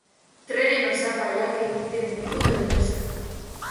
Trenen osagaiak egiten ditu enpresak.